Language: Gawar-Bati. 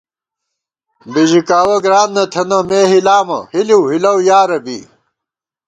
بِژِکاوَہ گران نہ تھنہ مے ہِلامہ ، ہلِؤ ہِلَؤ یارہ بی